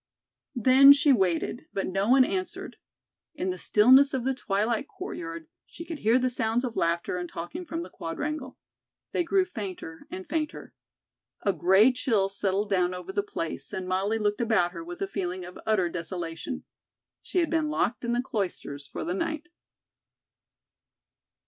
Then she waited, but no one answered. In the stillness of the twilit courtyard she could hear the sounds of laughter and talking from the Quadrangle. They grew fainter and fainter. A gray chill settled down over the place and Molly looked about her with a feeling of utter desolation. She had been locked in the Cloisters for the night.